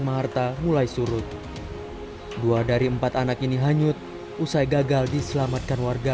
maharta mulai surut dua dari empat anak ini hanyut usai gagal diselamatkan warga